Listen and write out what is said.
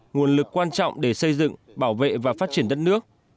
nguồn lực quan trọng để xây dựng bảo vệ và phát triển đất nước